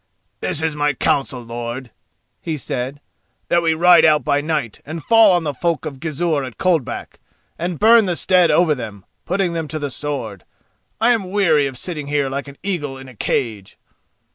"This is my counsel, lord," he said, "that we ride out by night and fall on the folk of Gizur at Coldback, and burn the stead over them, putting them to the sword. I am weary of sitting here like an eagle in a cage."